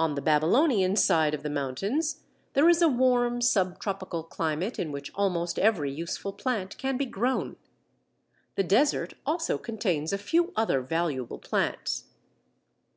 On the Babylonian side of the mountains, there is a warm sub tropical climate in which almost every useful plant can be grown. The desert also contains a few other valuable plants.